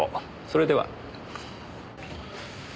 それでは。